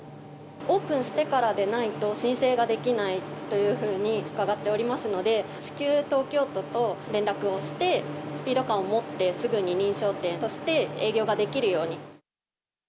オープンしてからでないと申請ができないというふうに伺っておりますので、至急、東京都と連絡をして、スピード感を持ってすぐに認証店として営業ができるように。